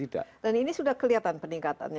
dan ini sudah kelihatan peningkatannya